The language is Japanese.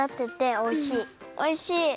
おいしい？